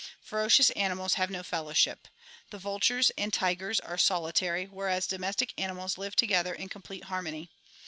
Ferocious animals have no fellowship. The vultures and tigers are solitary whereas domestic animals live to gether in complete harmony.